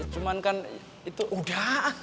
cuman kan itu udah